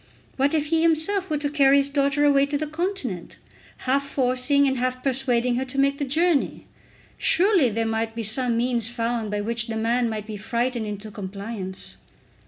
What if he himself were to carry his daughter away to the continent, half forcing and half persuading her to make the journey! Surely there might be some means found by which the man might be frightened into compliance.